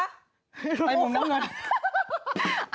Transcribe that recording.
ไอ้มุมน้ำเงิน